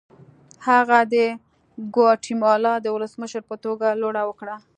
هغه د ګواتیمالا د ولسمشر په توګه لوړه وکړه.